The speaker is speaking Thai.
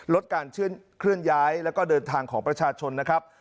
ลดการเคลื่อนย้ายแล้วก็เดินทางของประชาชนนะครับ